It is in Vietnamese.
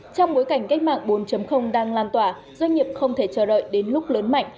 trong bối cảnh cách mạng bốn đang lan tỏa doanh nghiệp không thể chờ đợi đến lúc lớn mạnh